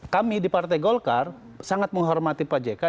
kami di partai golkar sangat menghormati pak jk